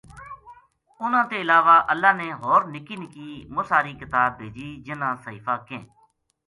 انہاں تے علاوہ اللہ نے ہور نکی نکی مساری کتاب بھیجی جنہاں صحیفہ کہیں۔